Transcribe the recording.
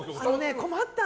困った。